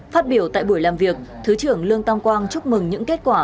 phát biểu tại buổi làm việc thứ trưởng lương tam quang chúc mừng những kết quả